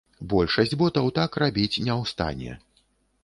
Большасць ботаў так рабіць не ў стане.